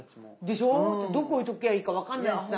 でしょう？でどこ置いときゃいいか分かんないしさ。